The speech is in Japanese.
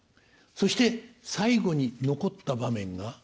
そして最後に残った場面が。